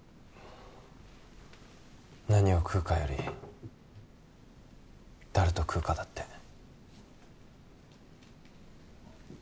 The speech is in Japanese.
何を食うかより誰と食うかだって。